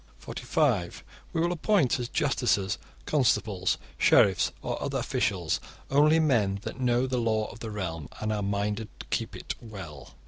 (45) We will appoint as justices, constables, sheriffs, or other officials, only men that know the law of the realm and are minded to keep it well.